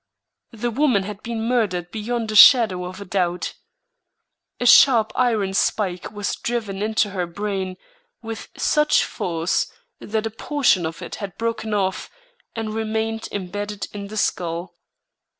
The woman had been murdered beyond a shadow of a doubt. A sharp iron spike was driven into her brain with such force that a portion of it had broken off, and remained imbedded in the skull.